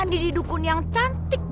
nididukun yang cantik